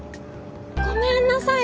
ごめんなさい